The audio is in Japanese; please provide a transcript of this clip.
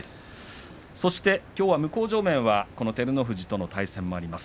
そして向正面は照ノ富士との対戦もあります